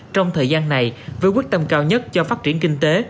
trong thời gian này với quyết tâm cao nhất cho phát triển kinh tế